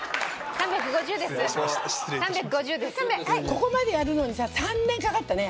ここまでやるのにさ３年かかったね。